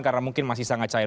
karena mungkin masih sangat cair